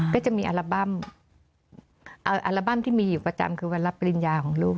ก็จะมีอัลบั้มอัลบั้มที่มีอยู่ประจำคือวันรับปริญญาของลูก